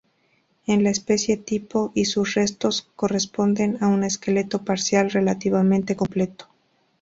Es la especie tipo, y sus restos corresponden a un esqueleto parcial relativamente completo.